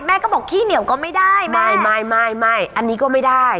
แม่ก็บอกขี้เหนียวก็ไม่ได้ไม่ไม่อันนี้ก็ไม่ได้